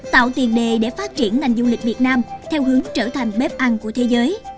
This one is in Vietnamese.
tạo tiền đề để phát triển ngành du lịch việt nam theo hướng trở thành bếp ăn của thế giới